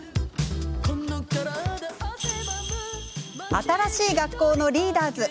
新しい学校のリーダーズ。